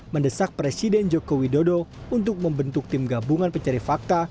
mendesak presiden joko widodo untuk membentuk tim gabungan pencari fakta